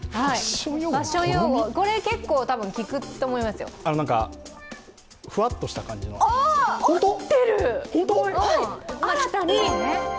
これ結構多分、聞くと思いますよふわっとした感じのああ、合ってる。